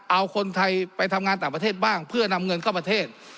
เอาคนไทยไปทำงานต่างประเทศบ้างเพื่อนำเงินเข้าประเทศ